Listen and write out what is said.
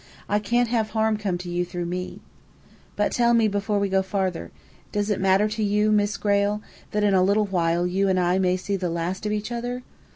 "I can't have harm come to you through me. But tell me, before we go farther does it matter to you, Miss Grayle, that in a little while you and I may see the last of each other?